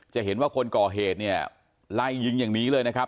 จะเห็นว่าคนก่อเหตุเนี่ยไล่ยิงอย่างนี้เลยนะครับ